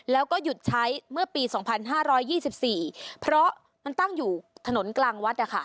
แล้วก็หยุดใช้เมื่อปี๒๕๒๔เพราะมันตั้งอยู่ถนนกลางวัด